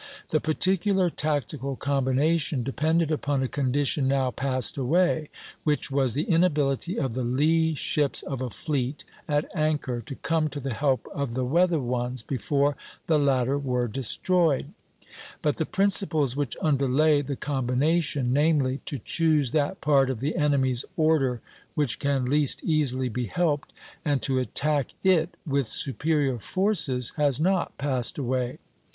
The particular tactical combination depended upon a condition now passed away, which was the inability of the lee ships of a fleet at anchor to come to the help of the weather ones before the latter were destroyed; but the principles which underlay the combination, namely, to choose that part of the enemy's order which can least easily be helped, and to attack it with superior forces, has not passed away.